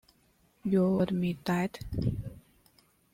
You'll admit that?